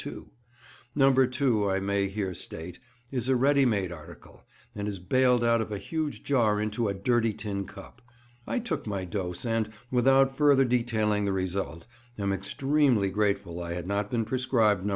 2." No. 2, I may here state, is a ready made article, and is baled out of a huge jar into a dirty tin cup. I took my dose, and, without further detailing the result, am extremely grateful I had not been prescribed No.